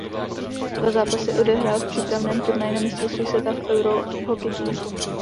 Dva zápasy odehrál v přípravném turnaji na mistrovství světa v Euro Hockey Tour.